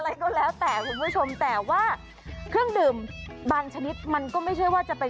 อะไรก็แล้วแต่คุณผู้ชมแต่ว่าเครื่องดื่มบางชนิดมันก็ไม่ใช่ว่าจะไป